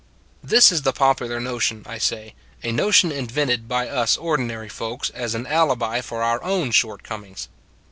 This is the popular notion, I say, a no tion invented by us ordinary folks as an alibi for our own short comings.